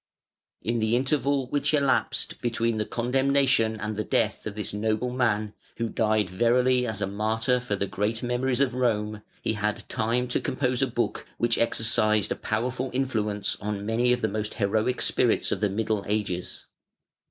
In the interval which elapsed between the condemnation and the death of this noble man, who died verily as a martyr for the great memories of Rome, he had time to compose a book which exercised a powerful influence on many of the most heroic spirits of the Middle Ages.